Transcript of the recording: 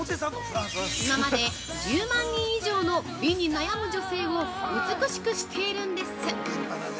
今まで１０万人以上の美に悩む女性を美しくしているんです。